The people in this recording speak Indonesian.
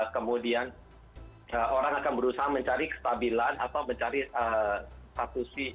kemudian orang akan berusaha mencari kestabilan atau mencari status